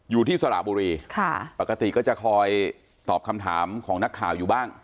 สระบุรีค่ะปกติก็จะคอยตอบคำถามของนักข่าวอยู่บ้าง